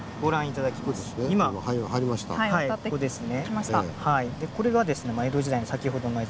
今ここですね。